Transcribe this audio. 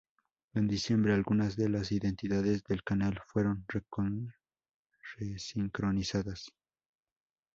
En diciembre, algunas de las identidades del canal fueron re-sincronizadas.